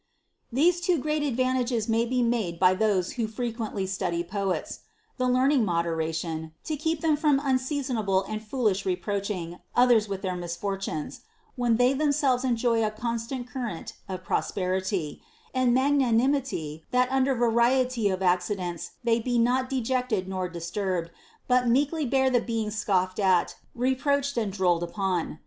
These two great advantages may be made by those who frequently study poets ;— the learning moderation, to keep them from un seasonable and foolish reproaching others with their mis fortunes, when they themselves enjoy a constant current of prosperity ; and magnanimity, that under variety of acci dents they be not dejected nor disturbed, but meekly bear the being scoffed at, reproached, and drolled upon.